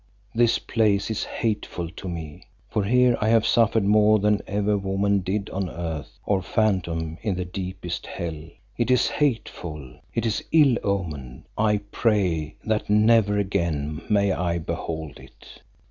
This place is hateful to me, for here I have suffered more than ever woman did on earth or phantom in the deepest hell. It is hateful, it is ill omened. I pray that never again may I behold it.